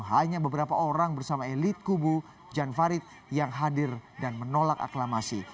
hanya beberapa orang bersama elit kubu jan farid yang hadir dan menolak aklamasi